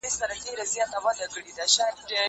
زه اوس موبایل کاروم؟!